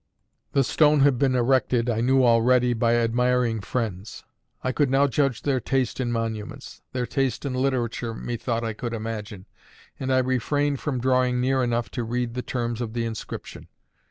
The stone had been erected (I knew already) "by admiring friends"; I could now judge their taste in monuments; their taste in literature, methought, I could imagine, and I refrained from drawing near enough to read the terms of the inscription.